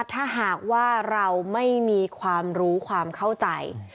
ถ้าหากว่าเราไม่มีความรู้ความเข้าใจ